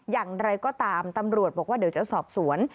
อย่างไรก็ตามตำรวจบอกว่าเดี๋ยวจะสอบสวน